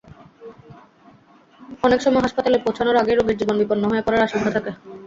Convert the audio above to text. অনেক সময় হাসপাতালে পৌঁছানোর আগেই রোগীর জীবন বিপন্ন হয়ে পড়ার আশঙ্কা থাকে।